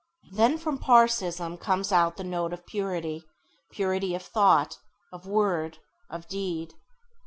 Then from Pãrsîism comes out the note of Purity, purity of thought, of word, of deed.